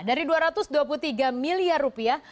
dari dua ratus dua puluh tiga miliar rupiah